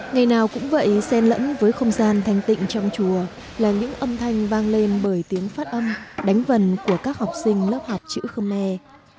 ngày nào cũng vậy sen lẫn với không gian thanh tịnh trong chùa là những âm thanh vang lên bởi tiếng phát âm đánh vần của các học sinh lớp học chữ khmer